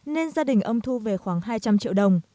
nên gia đình ông thu về khoảng hai trăm linh triệu đồng